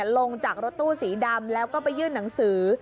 ลงจากรถตู้สีดำแล้วก็ไปยื่นหนังสือ